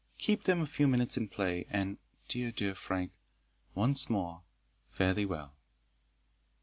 Keep them a few minutes in play. And, dear, dear Frank, once more fare thee well!"